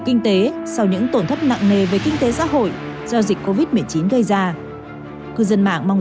xã hội sau những tổn thất nặng nề về kinh tế xã hội do dịch cô viết một mươi chín gây ra cư dân mạng mong